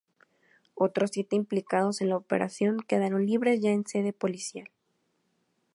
Otros siete implicados en la operación quedaron libres ya en sede policial.